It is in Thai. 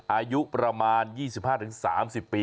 อายุประมาณ๒๕๓๐ปี